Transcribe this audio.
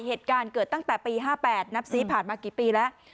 เหตุการณ์เกิดตั้งแต่ปี๕๘นับซีผ่านมากี่ปีแล้ว